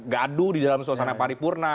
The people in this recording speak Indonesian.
gaduh di dalam suasana paripurna